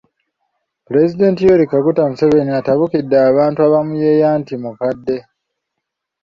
Pulezidenti Yoweri Kaguta Museveni atabukidde abantu abamuyeeya nti mukadde.